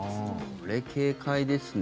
これ、警戒ですね。